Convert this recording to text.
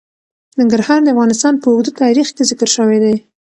ننګرهار د افغانستان په اوږده تاریخ کې ذکر شوی دی.